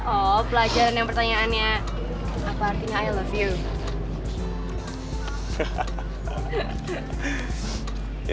oh pelajaran yang pertanyaannya apa artinya i love you